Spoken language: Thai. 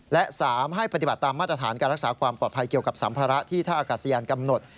และ๓ให้ปฏิบัติตามมาตรฐานการรักษาความปลอดภัยเกี่ยวกับสัมภาระที่ท่าอากาศยานกำหนด